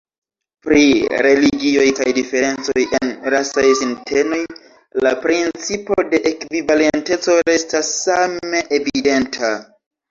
Pri religioj kaj diferencoj en rasaj sintenoj, la principo de ekvivalenteco restas same evidenta.